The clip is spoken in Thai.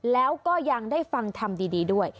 แล้วก็ยังได้ฟังทำดีด้วย